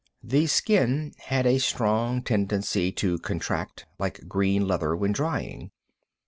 The skin had a strong tendency to contract, like green leather when drying.